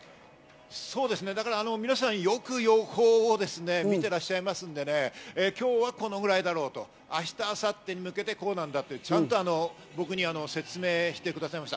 皆さん、よく予報を見てらっしゃいますんで、今日はこのぐらいだろう、明日・明後日に向けてこうなんだと、ちゃんと僕に説明してくださいました。